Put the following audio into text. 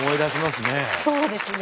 そうですね。